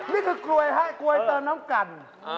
นี่คือกลวยฮะกลวยเติมน้ำกัน